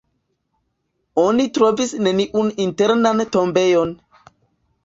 Oni trovis neniun internan tombejon.